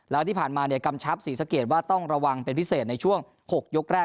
แล้วที่ผ่านมากำชับศรีสะเกดว่าต้องระวังเป็นพิเศษในช่วง๖ยกแรก